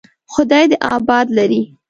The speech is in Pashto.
خدای دې آباد لري.